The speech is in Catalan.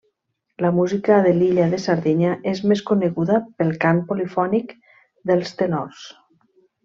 La música de l'illa de Sardenya és més coneguda pel cant polifònic dels tenors.